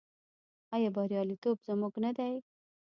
آیا بریالیتوب زموږ نه دی؟